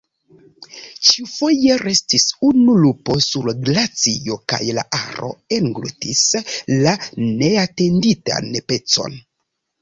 Ĉiufoje restis unu lupo sur la glacio kaj la aro englutis la neatenditan pecon.